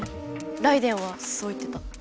ライデェンはそう言ってた。